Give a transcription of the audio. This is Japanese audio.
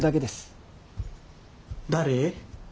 誰？